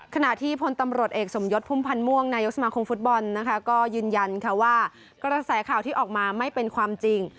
ขณะที่พลตำรวจเอกสมยศพุ่มพันธ์ม่วงนายกสมาคมฟุตบอลนะคะก็ยืนยันค่ะว่ากระแสข่าวที่ออกมาไม่เป็นความจริง